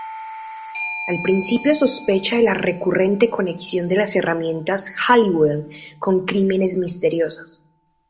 Al principio sospecha de la recurrente conexión de las hermanas Halliwell con crímenes misteriosos.